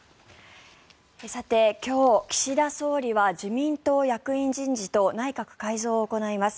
さて、今日、岸田総理は自民党役員人事と内閣改造を行います。